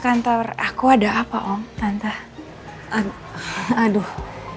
sekarang kamu harus lebih lanjut sisi terbaik